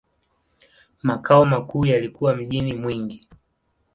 Makao makuu yalikuwa mjini Mwingi.